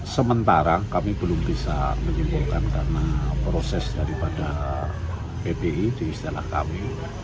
sementara kami belum bisa menyimpulkan karena proses daripada ppi di istilah kami